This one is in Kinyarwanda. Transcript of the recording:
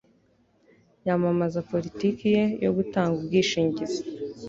yamamaza politiki ye yo gutanga ubwishingizi